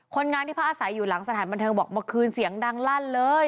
คนงานที่พระอาศัยอยู่หลังศาถมันเทิงบอกขึ้นเสียงดังลั่นเลย